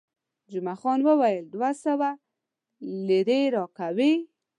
جمعه خان وویل، دوه سوه لیرې راکوي.